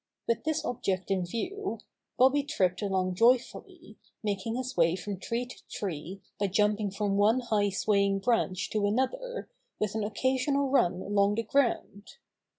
With this object in view, Bobby tripped along joyfully, making his way from tree to tree by jumping from one high swaying branch to another, with an occasional run along the ground.